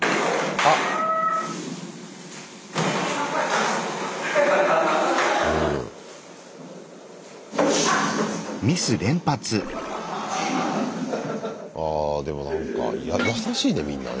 ああでも優しいねみんなね。